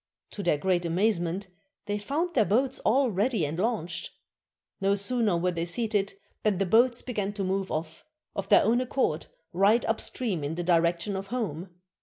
To their great amazement, they found their boats all ready and launched! No sooner were they seated than the boats began to move off, of their own accord, right upstream in the direction of home.